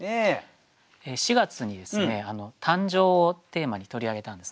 ４月にですね「誕生」をテーマに取り上げたんですね。